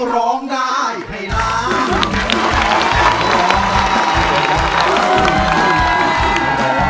ร้องได้ให้ล้าน